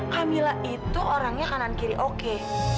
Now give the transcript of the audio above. camilla itu orangnya kanan kiri oke